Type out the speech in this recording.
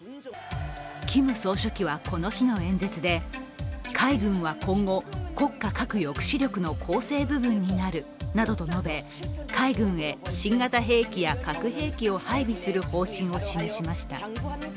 キム総書記はこの日の演説で海軍は今後、国家核抑止力の構成部分になるなどと述べ、海軍へ新型兵器や核兵器を配備する方針を示しました。